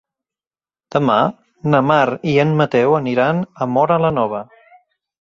Demà na Mar i en Mateu aniran a Móra la Nova.